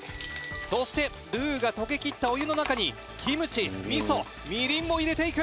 「そしてルーが溶けきったお湯の中にキムチ味噌みりんも入れていく！」